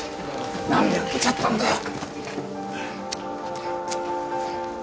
何で受けちゃったんだよ。